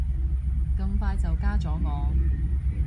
咁快就加咗我